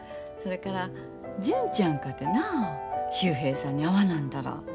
それから純ちゃんかてな秀平さんに会わなんだら。